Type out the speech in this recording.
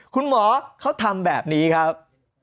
คุณหมอเขาทำแบบนี้ครับ